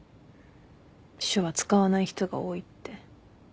手話使わない人が多いって。